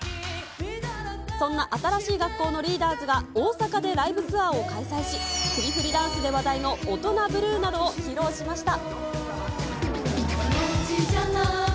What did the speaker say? そんな新しい学校のリーダーズが、大阪でライブツアーを開催し、首振りダンスで話題のオトナブルーなどを披露しました。